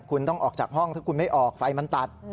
คุณต้องออกจากห้องถ้าคุณไม่ออกไฟมันตัด